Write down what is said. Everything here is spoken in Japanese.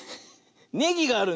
ネギがあるね。